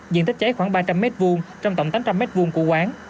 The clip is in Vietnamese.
diện tích cháy khoảng ba trăm linh m hai trong tổng tám trăm linh m hai của quán